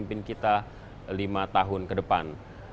pemimpin kita lima tahun ke depan